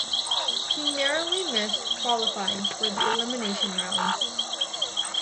He narrowly missed qualifying for the elimination rounds.